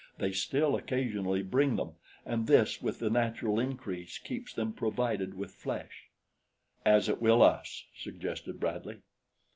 They still occasionally bring them, and this with the natural increase keeps them provided with flesh." "As it will us," suggested Bradley.